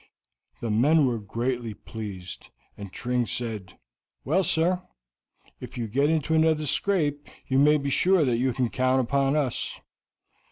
The men were greatly pleased, and Tring said: "Well, sir, if you get into another scrape you may be sure that you can count upon us."